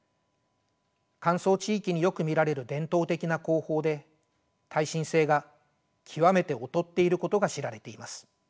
乾燥地域によく見られる伝統的な工法で耐震性が極めて劣っていることが知られています。